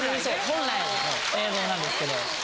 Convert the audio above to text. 本来の映像なんですけど。